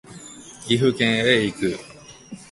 岐阜県へ行く